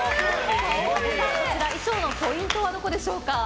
こちら衣装のポイントはどちらでしょうか。